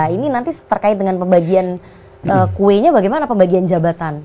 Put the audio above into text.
ini nanti terkait dengan pembagian kuenya bagaimana pembagian jabatan